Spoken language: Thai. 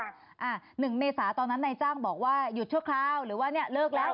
หนึ่งเมษาตอนนั้นนายจ้างบอกว่าหยุดชั่วคราวหรือว่าเนี่ยเลิกแล้ว